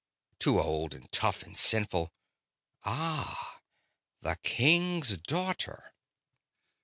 Too old and tough and sinful. Ah ... the king's daughter....